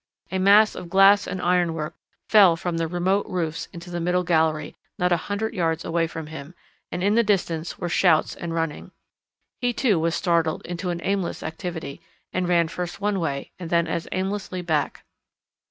A mass of glass and ironwork fell from the remote roofs into the middle gallery, not a hundred yards away from him, and in the distance were shouts and running. He, too, was startled to an aimless activity, and ran first one way and then as aimlessly back.